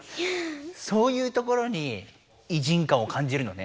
そういうところに偉人かんをかんじるのね。